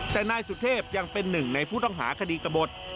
แต่นายสุเทพยังเป็นหนึ่งในผู้ต้องหาคดีกระบด